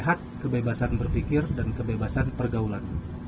sehat kebebasan berpikir dan kebebasan pergaulan